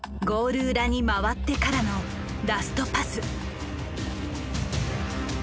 ゴール裏に回ってからのラストパス。